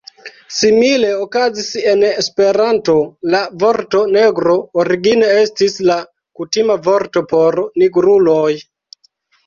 Simile okazis en Esperanto: La vorto "negro" origine estis la kutima vorto por nigruloj.